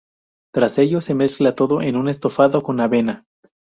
Tras ello se mezcla todo en un estofado con avena.